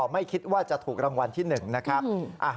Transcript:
ไม่คิดว่าจะถูกรางวัลที่๑นะครับ